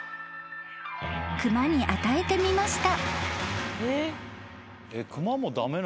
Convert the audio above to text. ［熊に与えてみました］